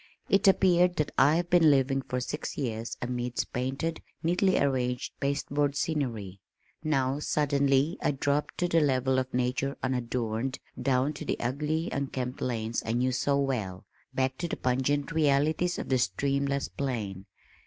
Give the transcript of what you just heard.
It appeared that I had been living for six years amidst painted, neatly arranged pasteboard scenery. Now suddenly I dropped to the level of nature unadorned, down to the ugly unkempt lanes I knew so well, back to the pungent realities of the streamless plain.